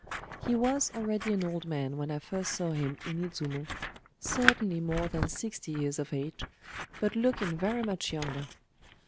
He was already an old man when I first saw him in Izumo,—certainly more than sixty years of age, but looking very much younger.